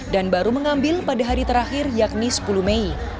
dan baru mengambil pada hari terakhir yakni sepuluh mei